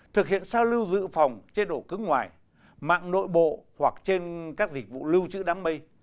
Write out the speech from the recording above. thực hiện sao lưu giữ phòng chế độ cứng ngoài mạng nội bộ hoặc trên các dịch vụ lưu trữ đám mây